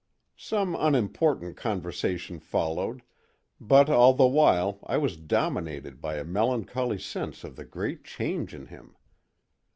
Some unimportant conversation followed, but all the while I was dominated by a melancholy sense of the great change in him.